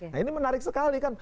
nah ini menarik sekali kan